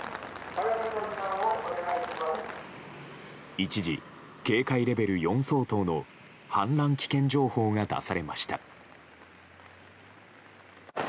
一時、警戒レベル４相当の氾濫危険情報が出されました。